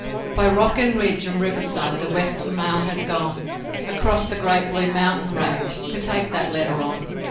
. By rock and ridge and riverside the western mail has gone, Across the great Blue Mountain Range to take that letter on.